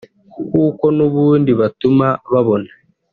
kuko n’ubundi batuma babona